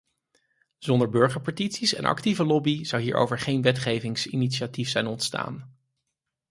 Zonder burgerpetities en actieve lobby zou hierover geen wetgevingsinitiatief zijn ontstaan.